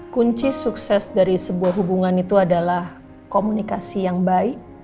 kunci sukses dari sebuah hubungan itu adalah komunikasi yang baik